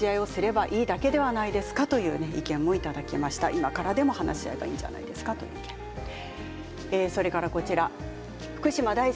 今からでも話し合えばいいんじゃないですかというご意見です。